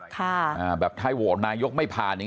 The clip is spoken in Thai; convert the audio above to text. ค่ะอ่าแบบถ้าให้โหวนายกไม่ผ่านอย่างเงี้ย